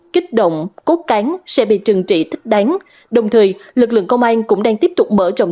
kích động cốt cán sẽ bị trừng trị thích đáng đồng thời lực lượng công an cũng đang tiếp tục mở rộng